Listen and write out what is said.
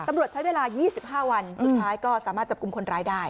ตำรวจใช้เวลา๒๕วันสุดท้ายก็สามารถจับกลุ่มคนร้ายได้